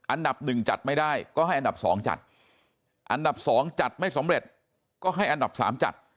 อันดับหนึ่งจัดไม่ได้ก็ให้อันดับ๒จัดอันดับ๒จัดไม่สำเร็จก็ให้อันดับ๓จัด